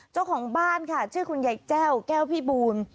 เจ้าของบ้านค่ะชื่อคุณยายแจ้วแก้วพี่บูล